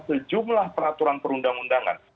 sejumlah peraturan perundang undangan